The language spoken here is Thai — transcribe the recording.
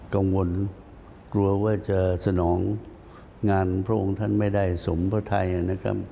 กังวลกลัวว่าจะสนองงานพระองค์ท่านไม่ได้สมพระไทยนะครับ